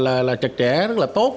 rất là trật trẻ rất là tốt